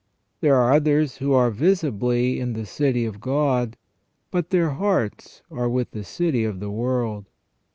There are others who are visibly in the city of God, but their hearts are with the city of the world.